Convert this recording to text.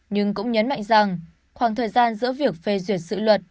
nhưng cũng nhấn mạnh rằng khoảng thời gian giữa việc phê duyệt sự luật